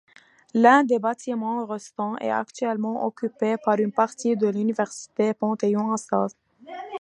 L'un des bâtiments restant est actuellement occupé par une partie de l'université Panthéon-Assas.